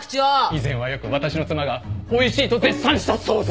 以前はよく私の妻がおいしいと絶賛したソースなんです。